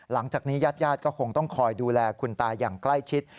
หลังจากนี้ยาดก็คงต้องคอยดูแลคุณตายังใกล้ชิด